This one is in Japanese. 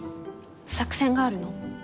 作戦があるの。